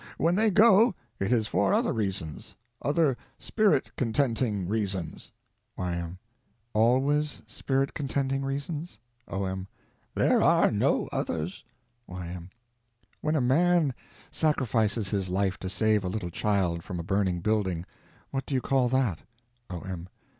When they go it is for other reasons. Other spirit contenting reasons. Y.M. Always spirit contenting reasons? O.M. There are no others. Y.M. When a man sacrifices his life to save a little child from a burning building, what do you call that? O.M.